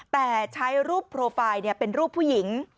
แต่ใช้รูปโปรไฟล์เป็นรูปผู้หญิง